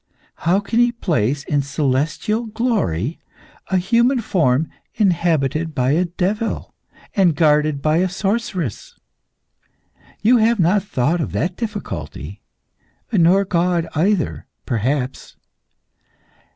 How can He place in celestial glory a human form inhabited by a devil, and guarded by a sorceress? You have not thought of that difficulty. Nor God either, perhaps.